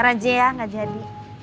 raja ya gak jadi